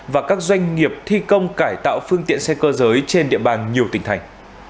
và các doanh nghiệp thi công cải tạo phương tiện xe cơ giới trên địa bàn nhiều tỉnh thành